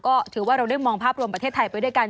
ก็ถือว่าเราได้มองภาพรวมประเทศไทยไปด้วยกัน